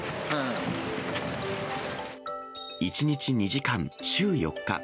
１日２時間、週４日。